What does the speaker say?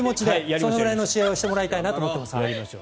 それぐらいの試合をしてほしいなと思ってます。